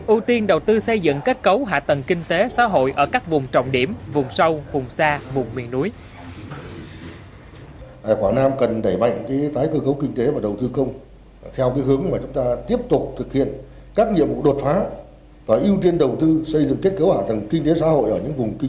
ưu tiên đầu tư xây dựng kết cấu hạ tầng kinh tế xã hội ở các vùng trọng điểm vùng sâu vùng xa vùng miền núi